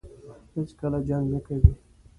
هېڅکله جنګ نه کوي.